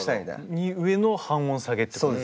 上の半音下げってこと。